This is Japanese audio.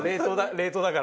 冷凍だから。